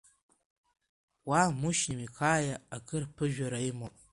Уа Мушьни Мқаииа акыр ԥыжәара имоуп.